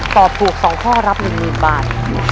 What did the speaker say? ตอบถูก๒ข้อรับ๑๐๐๐บาท